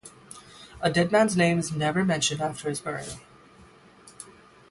A dead man's name is never mentioned after his burial.